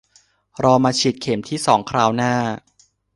รอมาฉีดเข็มที่สองคราวหน้า